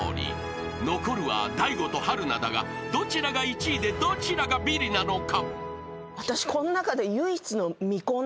［残るは大悟と春菜だがどちらが１位でどちらがビリなのか？］